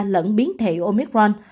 lẫn biến thể omicron